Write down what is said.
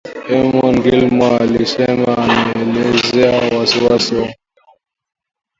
Eamon Gilmore alisema ameelezea wasi wasi wa umoja huo